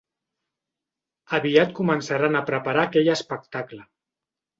Aviat començaran a preparar aquell espectacle.